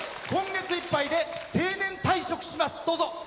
今月いっぱいで定年退職します。